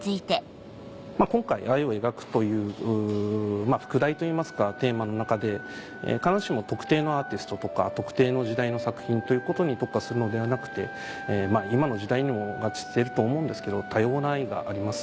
今回「愛を描く」という副題といいますかテーマの中で必ずしも特定のアーティストとか特定の時代の作品ということに特化するのではなくて今の時代にも合致してると思うんですけど多様な愛があります。